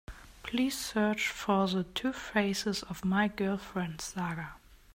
Please search for the Two Faces of My Girlfriend saga.